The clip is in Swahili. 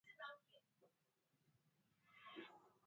Chato inafaa au haifai kuwa mkoa